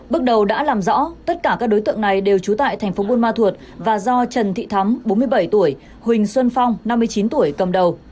bước đầu đã làm rõ tất cả các đối tượng này đều trú tại thành phố buôn ma thuột và do trần thị thắm bốn mươi bảy tuổi huỳnh xuân phong năm mươi chín tuổi cầm đầu